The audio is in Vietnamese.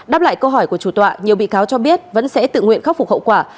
đáp lại câu hỏi của chủ tọa nhiều bị cáo cho biết vẫn sẽ tự nguyện khắc phục hậu quả